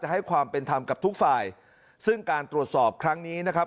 ให้ความเป็นธรรมกับทุกฝ่ายซึ่งการตรวจสอบครั้งนี้นะครับ